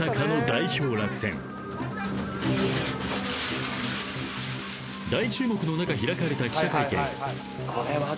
［大注目の中開かれた記者会見］